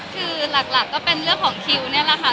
คือหลักก็เป็นเรื่องของคิวนี่แหละค่ะ